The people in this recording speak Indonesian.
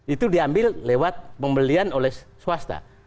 itu diambil lewat pembelian oleh swasta